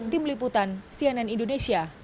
tim liputan cnn indonesia